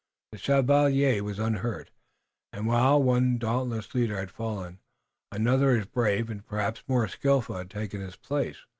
The Chevalier was unhurt, and while one dauntless leader had fallen, another as brave and perhaps more skillful had taken his place.